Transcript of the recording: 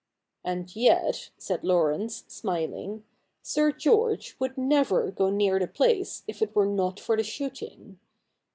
' And yet,' said Laurence, smiling, ' Sir George would never go near the place if it were not for the shooting.'